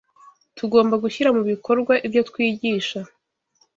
Tugomba gushyira mu bikorwa ibyo twigisha.